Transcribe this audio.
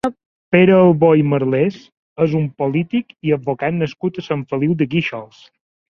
Pere Albó i Marlés és un polític i advocat nascut a Sant Feliu de Guíxols.